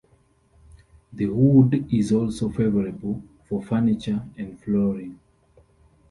The wood is also favorable for furniture and flooring.